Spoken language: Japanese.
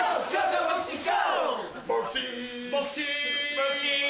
ボクシング。